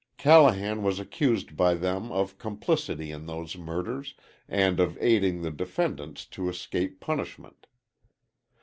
Callahan was accused by them of complicity in those murders and of aiding the defendants to escape punishment.